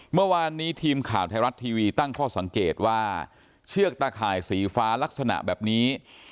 เมื่อวานนี้ทีมข่าวไทยรัฐทีวีตั้งข้อสังเกตว่าเชือกตาข่ายสีฟ้าลักษณะแบบนี้